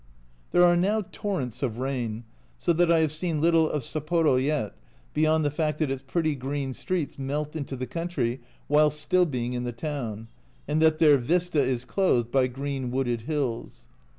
There are now torrents of rain, so that I have seen little of Sapporo yet, beyond the fact that its pretty green streets melt into the country whilst still being in the town, and that their vista is closed by green wooded hills.